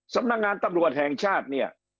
สำนักงานตำรวจแห่งชาติ